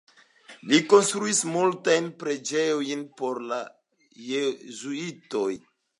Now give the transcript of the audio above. Li konstruis multajn preĝejojn por la Jezuitoj.